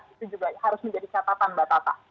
itu juga harus menjadi catatan mbak tata